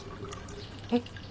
えっ？